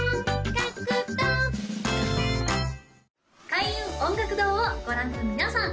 開運音楽堂をご覧の皆さん